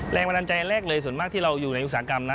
แรงบันดาลใจแรกเลยส่วนมากที่เราอยู่ในอุตสาหกรรมนะ